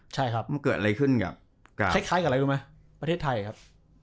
ใช่ครับมันเกิดอะไรขึ้นกับคล้ายกับอะไรรู้ไหมประเทศไทยครับ